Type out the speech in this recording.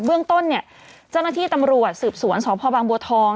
เบื้องต้นเนี่ยเจ้าหน้าที่ตำรวจสืบสวนสพบางบัวทอง